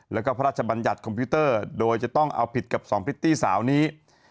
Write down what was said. แล้วก็พระราชบัญญัติคอมพิวเตอร์โดยจะต้องเอาผิดกับ๒พริตตี้สาวนี้